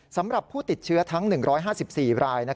สำหรับผู้ติดเชื้อทั้ง๑๕๔ราย